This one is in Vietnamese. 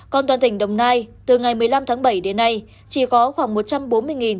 còn toàn tỉnh đồng nai từ ngày một mươi năm tháng bảy đến nay chỉ có khoảng một trăm bốn mươi